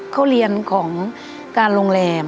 เขาเรียนของการโรงแรม